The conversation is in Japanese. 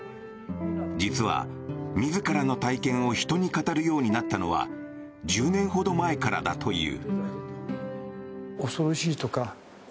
実は、自らの体験を人に語るようになったのは１０年ほど前からだという。